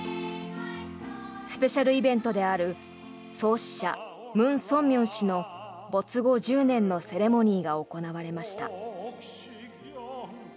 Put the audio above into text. スペシャルイベントである創始者ムン・ソンミョン氏の没後１０年のセレモニーが行われました。